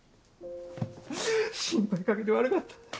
ううっ心配かけて悪かった。